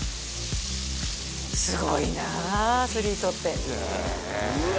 すごいなアスリートってうわ